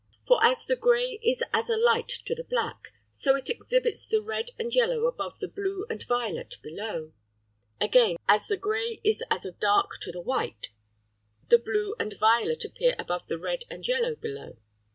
For as the grey is as a light to the black, so it exhibits the red and yellow above the blue and violet below: again, as the grey is as a dark to the white, the blue and violet appear above the red and yellow below.